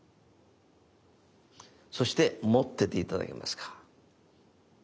そして持ってて頂けますか？